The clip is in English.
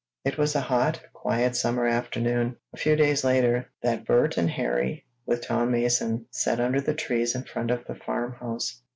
It was a hot, quiet summer afternoon, a few days later, that Bert and Harry, with Tom Mason, sat under the trees in front of the farmhouse.